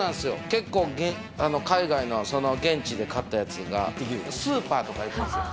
結構、海外のその現地で買ったやつが、スーパーとかで買うんですよ。